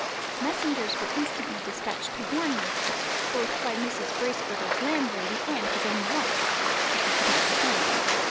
Messengers were instantly despatched to warn Mountfort, both by Mrs. Bracegirdle's landlady and his own wife, but he could not be found.